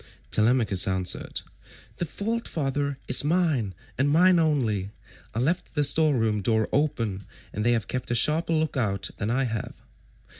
Telemachus answered, "The fault, father, is mine, and mine only; I left the store room door open, and they have kept a sharper look out than I have.